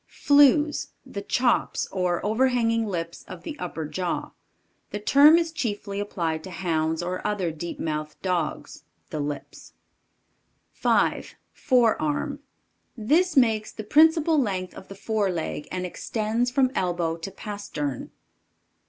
Flews. The chops, or overhanging lips of the upper jaw. The term is chiefly applied to hounds or other deep mouthed dogs. The lips. 5. FOREARM. This makes the principal length of the fore leg and extends from elbow to pastern.